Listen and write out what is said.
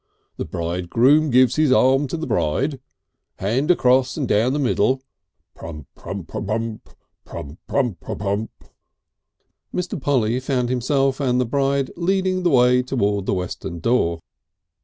"The bridegroom gives his arm to the bride. Hands across and down the middle. Prump. Prump, Perump pump pump pump." Mr. Polly found himself and the bride leading the way towards the western door.